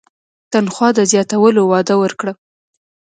تنخوا د زیاتولو وعده ورکړه.